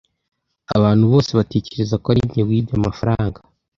Abantu bose batekereza ko arinjye wibye amafaranga?